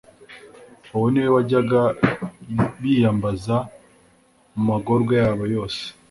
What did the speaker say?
Uwo ni we bajyaga biyambaza mu magorwa yabo yose;